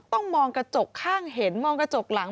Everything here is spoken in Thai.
ต้องมองกระจกข้างเห็นมองกระจกหลัง